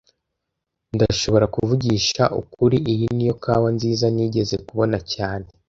Ndashobora kuvugisha ukuri iyi niyo kawa nziza nigeze kubona cyane